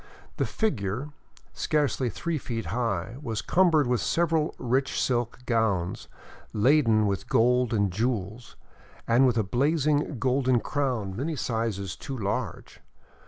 The figure, scarcely three feet high, was cumbered with several rich silk gowns, laden with gold and jewels, and with a blazing golden crown many sizes too large.